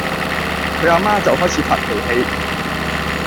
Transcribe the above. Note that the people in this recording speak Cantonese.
佢呀媽就開始發脾氣